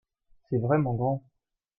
C'est vraiment grand.